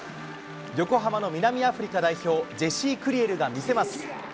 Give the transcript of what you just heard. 横浜の南アフリカ代表、ジェシー・クリエルが見せます。